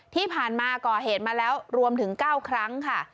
ที่ผ่านมาก่อเหตุมาแล้วรวมถึง๙ครั้งค่ะ